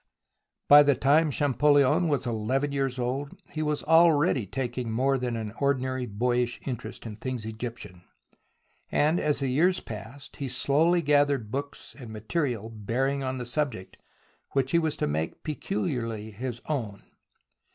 By the time Champollion was eleven years old, he was already taking more than an ordinary boyish interest in things Egyptian, and, as the years passed, he slowly gathered books and material bearing on the subject which he was to make pecuHarly his own.